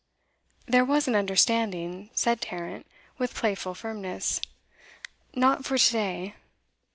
'There was an understanding,' said Tarrant, with playful firmness. 'Not for to day.